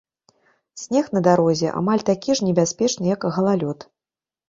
Снег на дарозе амаль такі ж небяспечны як галалёд.